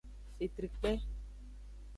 Fetrikpe.